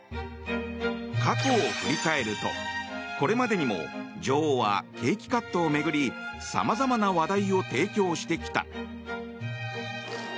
過去を振り返るとこれまでにも女王はケーキカットを巡りさまざまな話題を提供してきた。